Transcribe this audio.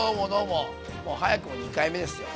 もう早くも２回目ですよ。